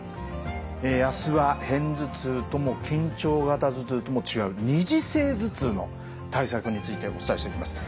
え明日は片頭痛とも緊張型頭痛とも違う二次性頭痛の対策についてお伝えしていきます。